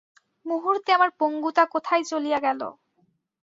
মূহূর্তে আমার পঙ্গুতা কোথায় চলিয়া গেল।